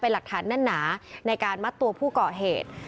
เป็นหลักฐานแน่นหนาในการมัดตัวผู้ก่อเหตุ